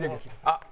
あっ。